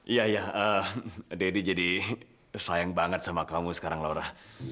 iya ya deddy jadi sayang banget sama kamu sekarang laura